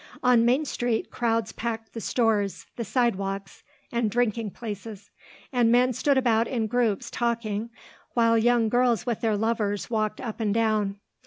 On Main Street crowds packed the stores, the sidewalks, and drinking places, and men stood about in groups talking while young girls with their lovers walked up and down.